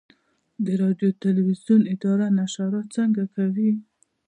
د راډیو تلویزیون اداره نشرات څنګه کوي؟